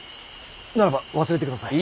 ならば忘れてください。